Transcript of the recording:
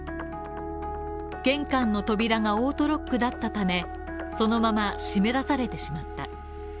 玄関の扉がオートロックだったため、そのまま締め出されてしまった。